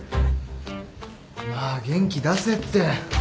まあ元気出せって。